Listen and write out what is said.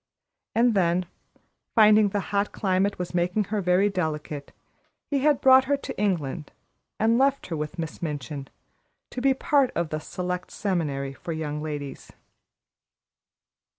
And then, finding the hot climate was making her very delicate, he had brought her to England and left her with Miss Minchin, to be part of the Select Seminary for Young Ladies.